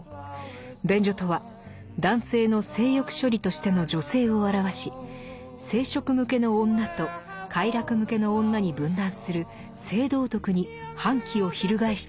「便所」とは男性の性欲処理としての女性を表し生殖向けの女と快楽向けの女に分断する性道徳に反旗を翻したのです。